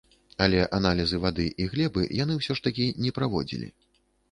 Але аналізы вады і глебы яны ўсё ж такі не праводзілі.